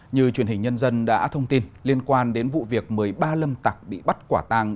như truyền hình nhân dân đã thông tin liên quan đến vụ việc một mươi ba lâm tặc bị bắt quả tàng